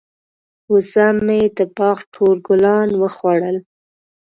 وزه مې د باغ ټول ګلان وخوړل.